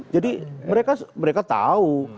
jadi mereka tahu